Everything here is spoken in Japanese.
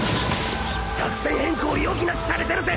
作戦変更を余儀なくされてるぜ！